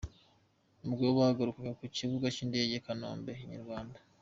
Ubwo bahagurukaga ku kibuga cy’indege i Kanombe inyarwanda.